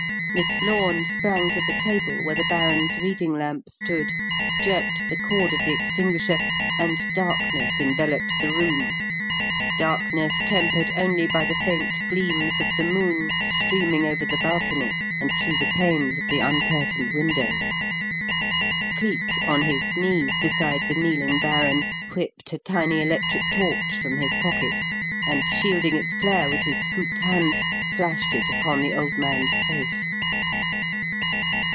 Miss Lorne sprang to the table where the baron's reading lamp stood, jerked the cord of the extinguisher, and darkness enveloped the room, darkness tempered only by the faint gleams of the moon streaming over the balcony, and through the panes of the uncurtained window. Cleek, on his knees beside the kneeling baron, whipped a tiny electric torch from his pocket, and, shielding its flare with his scooped hands, flashed it upon the old man's face.